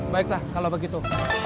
baiklah kalau begitu